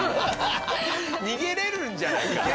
逃げられるんじゃないか。